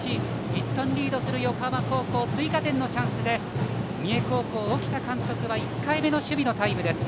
１点リードする横浜高校追加点のチャンスで三重高校、沖田監督は１回目の守備のタイムです。